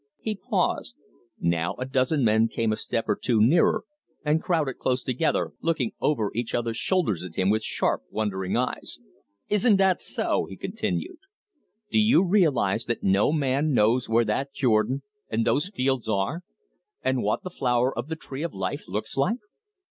He paused. Now a dozen men came a step or two nearer, and crowded close together, looking over each others' shoulders at him with sharp, wondering eyes. "Isn't that so?" he continued. "Do you realise that no man knows where that Jordan and those fields are, and what the flower of the tree of life looks like?